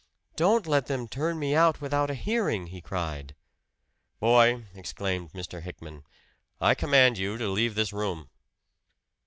"Don't let them turn me out without a hearing!" he cried. "Boy!" exclaimed Mr. Hickman, "I command you to leave this room."